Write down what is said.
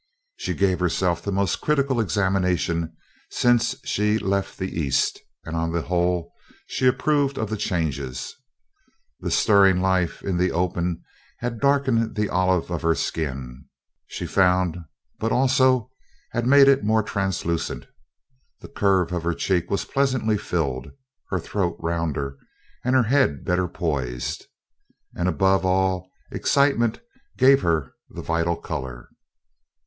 She gave herself the most critical examination since she left the East and on the whole she approved of the changes. The stirring life in the open had darkened the olive of her skin, she found, but also had made it more translucent; the curve of her cheek was pleasantly filled; her throat rounder; her head better poised. And above all excitement gave her the vital color.